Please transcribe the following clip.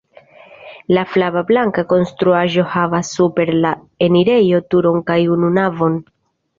La flava-blanka konstruaĵo havas super la enirejo turon kaj unu navon.